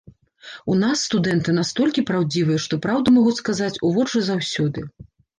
У нас студэнты настолькі праўдзівыя, што праўду могуць сказаць у вочы заўсёды.